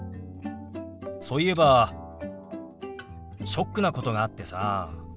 そういえばショックなことがあってさ。